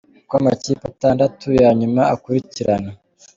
Uko amakipe atandatu ya nyuma akurikirana.